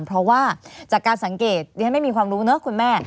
เพราะว่าจากการสังเกตดิฉันไม่มีความรู้เนอะคุณแม่